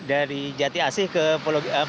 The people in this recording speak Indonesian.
dari jati asih ke lapa gading